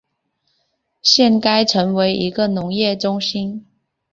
现该城为一个农业中心。